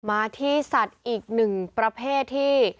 มาที่สัตว์อีกหนึ่งประเภทที่